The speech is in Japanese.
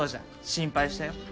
心配したよ。